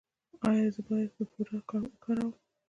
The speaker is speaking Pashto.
ایا زه باید پوډر وکاروم؟